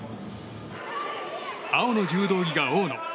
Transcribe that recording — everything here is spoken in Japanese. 青の柔道着が大野。